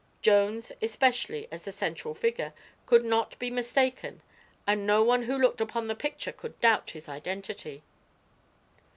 Jones, especially, as the central figure, could not be mistaken and no one who looked upon the picture could doubt his identity.